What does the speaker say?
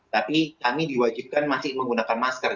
tapi kami diwajibkan masih menggunakan masker